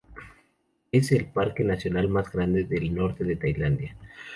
Es el parque nacional más grande del norte de Tailandia.